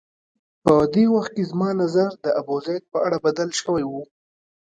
په دې وخت کې زما نظر د ابوزید په اړه بدل شوی و.